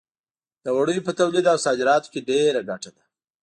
د وړیو په تولید او صادراتو کې ډېره ګټه ده.